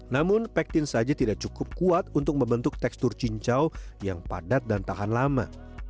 namun packtin saja tidak cukup kuat untuk membentuk tekstur cincau yang padat dan tahan lama